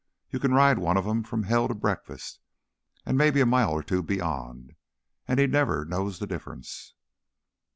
You can ride one of 'em from Hell to breakfast an' maybe a mile or two beyond an' he never knows the difference.